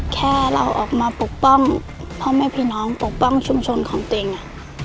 แค่เราออกมาปกป้องพ่อแม่พี่น้องปกป้องชุมชนของตัวเอง